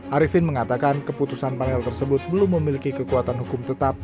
arifin mengatakan keputusan panel tersebut belum memiliki kekuatan hukum tetap